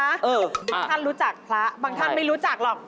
บางท่านรู้จักพระบางท่านไม่รู้จักหรอก